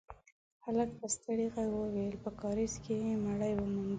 هلک په ستړي غږ وويل: په کارېز کې يې مړی وموند.